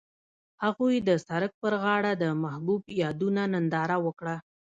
هغوی د سړک پر غاړه د محبوب یادونه ننداره وکړه.